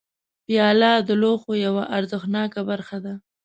پیاله د لوښو یوه ارزښتناکه برخه ده.